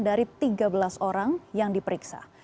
dari tiga belas orang yang diperiksa